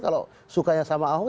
kalau sukanya sama ahok